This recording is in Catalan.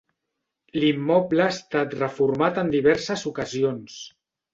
L'immoble ha estat reformat en diverses ocasions.